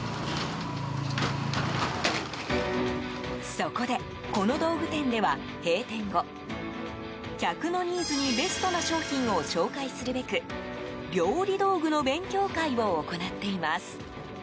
そこでこの道具店では閉店後客のニーズにベストな商品を紹介するべく料理道具の勉強会を行っています。